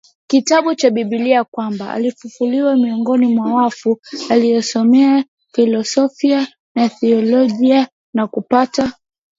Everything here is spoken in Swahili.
kitabu cha bibilia kwamba alifufuliwa miongoni mwa wafuAlisomea filosofia na thiolojia na kupata